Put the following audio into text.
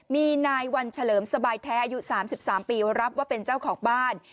มีนายวันเฉลิมสบายแท้อายุ๓๓ปีรับว่าเป็นเจ้าของบ้าน